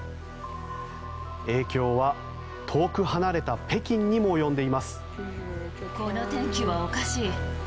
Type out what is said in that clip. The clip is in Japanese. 影響は遠く離れた北京にも及んでいます。